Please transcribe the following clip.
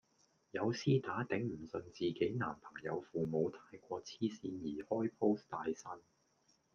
有絲打頂唔順自己男朋友父母太過痴線而開 post 大呻